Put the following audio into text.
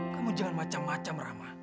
kamu jangan macam macam ramah